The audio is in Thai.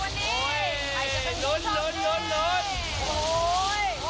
วันที่นี้ค่ะวันที่นี้ค่ะโกยไปค่ะ